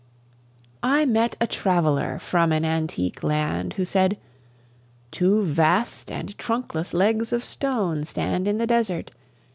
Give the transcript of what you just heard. I met a traveller from an antique land Who said: "Two vast and trunkless legs of stone Stand in the desert.